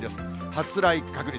発雷確率。